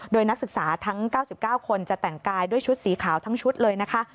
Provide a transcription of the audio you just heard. โดยนักศึกษาทั้ง๙๙คนจะแต่งกายด้วยชุดสีขาวทั้งชุดเลยนะคะ